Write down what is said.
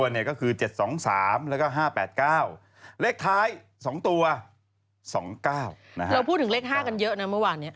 เราพูดถึงเลข๕กันเยอะนะเมื่อวานนี้